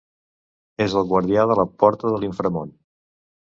És el guardià de la porta de l'inframón.